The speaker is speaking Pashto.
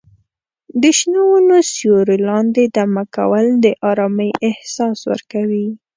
د شنو ونو سیوري لاندې دمه کول د ارامۍ احساس ورکوي.